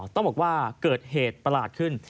ต้องบอกว่าเกิดเหตุประหลาดขึ้น